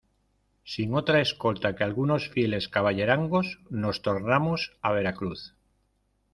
sin otra escolta que algunos fieles caballerangos, nos tornamos a Veracruz.